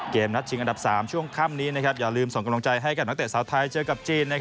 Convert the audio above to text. นัดชิงอันดับ๓ช่วงค่ำนี้อย่าลืมส่งกำลังใจให้กับนักเตะสาวไทยเจอกับจีน